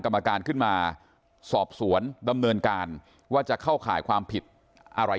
กรรมการขึ้นมาสอบสวนดำเนินการว่าจะเข้าข่ายความผิดอะไร